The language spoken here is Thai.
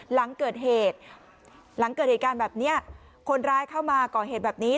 หลังเกิดเหตุการณ์แบบนี้คนร้ายเข้ามาก่อเหตุแบบนี้